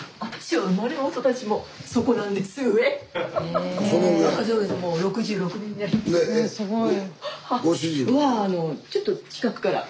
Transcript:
えすごい。